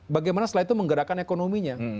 bagaimana setelah itu menggerakkan ekonominya